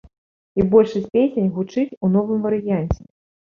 І большасць песень гучыць у новым варыянце.